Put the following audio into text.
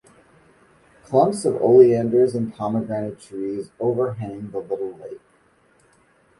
Clumps of oleanders and pomegranate trees overhang the little lake.